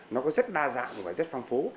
nó có rất đa dạng và rất phong phú